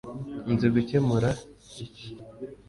Nzi gukemura iki